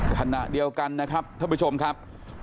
ขณะเดียวกันนะครับท่านผู้ชมครับ